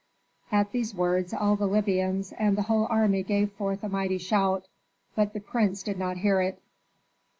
At these words all the Libyans and the whole army gave forth a mighty shout; but the prince did not hear it.